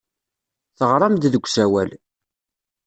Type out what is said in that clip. Teɣram-d deg usawal.